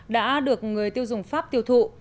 đã được người tiêu dùng pháp tiêu thụ